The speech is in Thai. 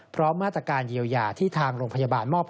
พร้อมมาตรการเยียวยาที่ทางโรงพยาบาลมอบ